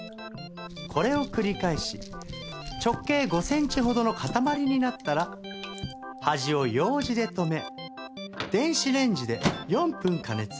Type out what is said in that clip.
これを繰り返し直径５センチほどの塊になったら端を楊枝で留め電子レンジで４分加熱。